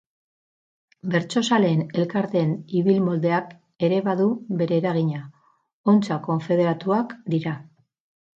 Bertsozaleen elkarteen ibilmoldeak ere badu bere eragina, ontsa konfederatuak dira.